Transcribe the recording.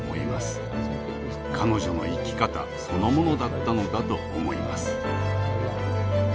彼女の生き方そのものだったのだと思います。